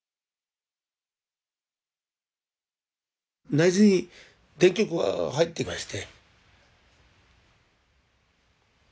内耳に電極が入ってまして。